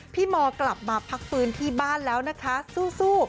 มกลับมาพักฟื้นที่บ้านแล้วนะคะสู้